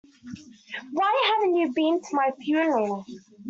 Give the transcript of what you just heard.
Why haven't you been to my funeral?